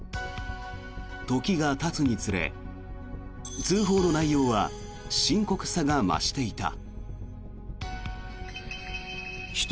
時がたつにつれ、通報の内容は深刻さが増していた。